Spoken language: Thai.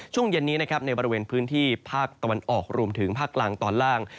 ช่วงเย็นนี้นะครับในบริเวณพื้นที่ภาคตะวันออกรวมถึงภาคกลางตอนล่าง